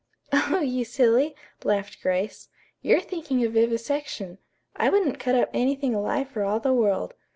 "Oh, you silly," laughed Grace. "You're thinking of vivisection. I wouldn't cut up anything alive for all the world.